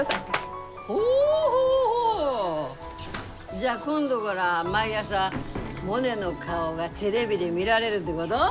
じゃあ今度がら毎朝モネの顔がテレビで見られるってごど？